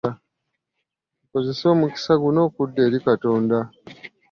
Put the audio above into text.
Tukozese omukisa guno okudda eri Katonda